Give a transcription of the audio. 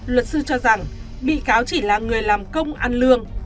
luật sư cho rằng bị cáo chỉ là người làm công ăn lương